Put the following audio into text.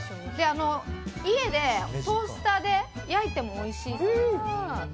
家でトースターで焼いてもおいしいそうです。